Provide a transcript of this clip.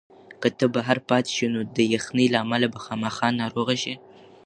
که ته بهر پاتې شې نو د یخنۍ له امله به خامخا ناروغه شې.